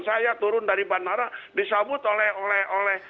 saya turun dari bandara disambut oleh oleh oleh